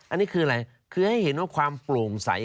อันนี้คืออะไรคือให้เห็นว่าความโปร่งใส